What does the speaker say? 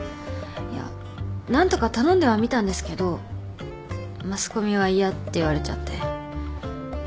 いや何とか頼んではみたんですけどマスコミは嫌って言われちゃって。